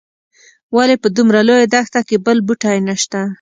ولې په دومره لویه دښته کې بل بوټی نه شته.